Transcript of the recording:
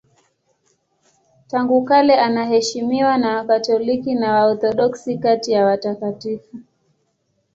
Tangu kale anaheshimiwa na Wakatoliki na Waorthodoksi kati ya watakatifu.